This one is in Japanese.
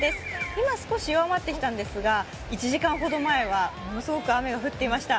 今少し弱まってきたんですが１時間ほど前はものすごく雨が降っていました。